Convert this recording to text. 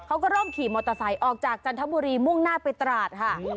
เขาก็เริ่มขี่มอเตอร์ไซค์ออกจากจันทบุรีมุ่งหน้าไปตราดค่ะ